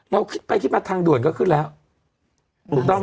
เราคิดไปคิดมาทางด่วนก็ขึ้นแล้วถูกต้องไหม